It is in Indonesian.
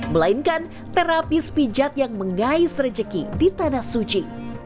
melainkan terapis pijat yang mengais rejeki di tanah suci